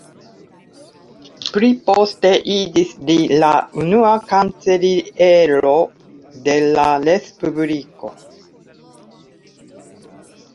Pli poste iĝis li la unua kanceliero de la respubliko.